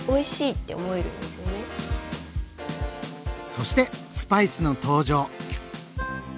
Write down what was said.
そしてスパイスの登場。